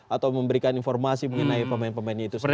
atau memberikan informasi mengenai pemain pemainnya itu sendiri